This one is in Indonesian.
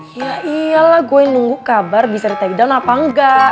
ya iyalah gue yang nunggu kabar bisa di tag down apa enggak